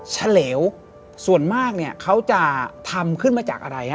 เฉลวส่วนมากเขาจะทำขึ้นมาจากอะไร